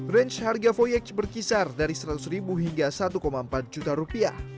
range harga voyage berkisar dari seratus ribu hingga satu empat juta rupiah